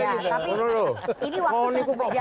ya tapi ini waktu terus berjalan